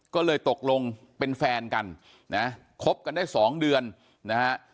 ก็เลยตกลงเป็นแฟนกันนะคบกันได้สองเดือนนะฮะ